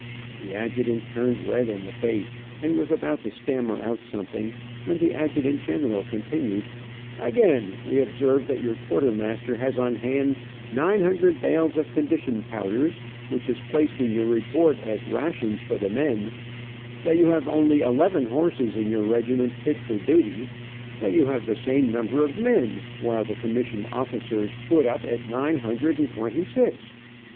The adjutant turned red in the face, and was about to stammer out something, when the adjutant general continued: "Again, we observe that your quartermaster has on hand nine hundred bales of condition powders, which is placed in your report as rations for the men, that you only have eleven horses in your regiment fit for duty, that you have the same number of men, while the commissioned officers foot up at nine hundred and twenty six.